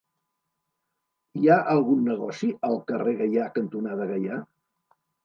Hi ha algun negoci al carrer Gaià cantonada Gaià?